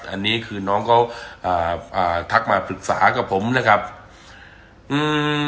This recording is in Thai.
อันนี้คือน้องเขาอ่าอ่าทักมาปรึกษากับผมนะครับอืม